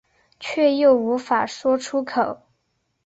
却又无法说出口